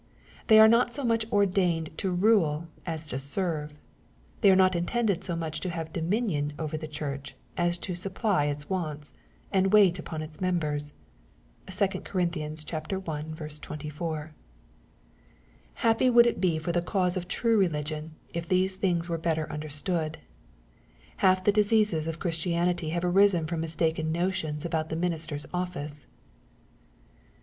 They are not so much ordained to rule as to serve. They are not intended so much to have dominion over the Church, as to supply its wants, and wait upon its members. (2 Cor. i. 24.) Happy would it be for the cause of true reh'gion, if these things were better understood I Half the diseases of Chris tianity have arisen from mistaken notions about the minister's office.